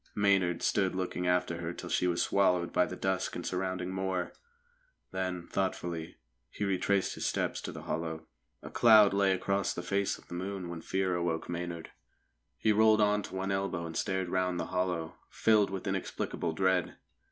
Maynard stood looking after her till she was swallowed by the dusk and surrounding moor. Then, thoughtfully, he retraced his steps to the hollow. A cloud lay across the face of the moon when Fear awoke Maynard. He rolled on to one elbow and stared round the hollow, filled with inexplicable dread.